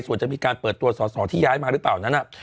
ส่วนจะมีการเปิดตัวสอสอที่ย้ายมาหรือเปล่านั้น